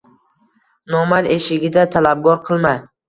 Nomard eshigida talabgor qilma